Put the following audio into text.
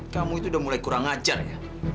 kamu itu udah mulai kurang ajar ya